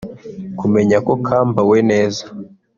Kumenya ko kambawe neza